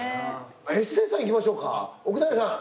エステーさんいきましょうか奥平さん。